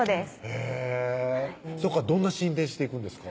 えぇそこからどんな進展していくんですか？